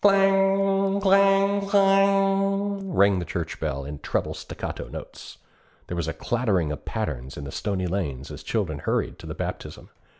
Clang, Clang! Clang! rang the church bell in treble staccato notes. There was a clattering of pattens in the stony lanes as children hurried to the Baptism.